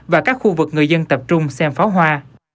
và các khu vực người dân tập trung xem pháo hoa